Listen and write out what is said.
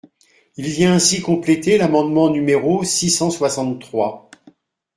Il vient ainsi compléter l’amendement numéro six cent soixante-trois.